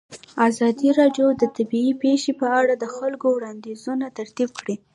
ازادي راډیو د طبیعي پېښې په اړه د خلکو وړاندیزونه ترتیب کړي.